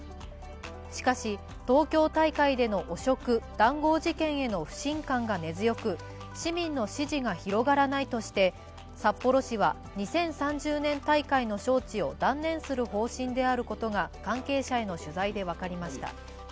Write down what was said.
しかし、東京大会での汚職・談合事件への不信感が根強く市民の支持が広がらないとして札幌市は２０３０年大会の招致を断念する方針であることが関係者への取材で分かりました。